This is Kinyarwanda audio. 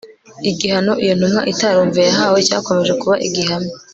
Igihano iyo ntumwa itarumviye yahawe cyakomeje kuba igihamya